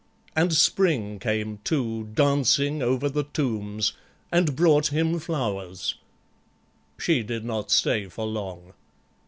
And SPRING came too, Dancing over the tombs, and brought him flowers She did not stay for long.